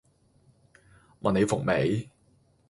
問你服未